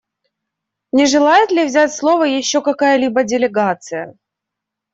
Не желает ли взять слово еще какая-либо делегация?